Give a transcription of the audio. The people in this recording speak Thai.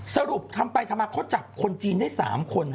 สรุปทำไปทำมาเขาจับคนจีนได้๓คน